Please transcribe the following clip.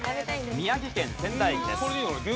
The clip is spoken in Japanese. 宮城県仙台駅です。